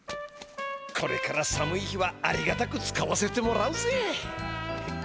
これから寒い日はありがたく使わせてもらうぜ！